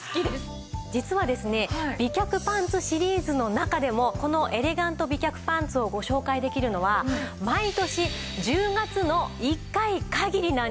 実はですね美脚パンツシリーズの中でもこのエレガント美脚パンツをご紹介できるのは毎年１０月の１回限りなんです。